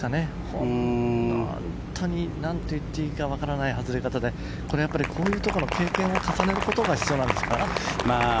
本当になんと言っていいかわからない外れ方でこれはこういうところの経験を重ねることが必要なんですか？